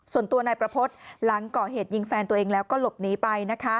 ส่วนตัวนายประพฤติหลังก่อเหตุยิงแฟนตัวเองแล้วก็หลบหนีไป